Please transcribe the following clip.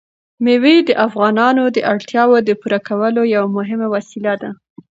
مېوې د افغانانو د اړتیاوو د پوره کولو یوه مهمه وسیله ده.